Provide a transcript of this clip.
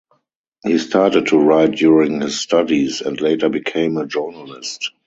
He started to write during his studies, and later became a journalist.